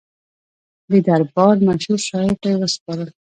د دربار مشهور شاعر ته یې وسپاري.